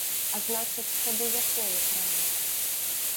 А значыць тады якое права?